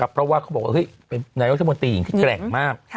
เพราะว่าเขาบอกนายกรัฐมนตรีที่แกร่งมาก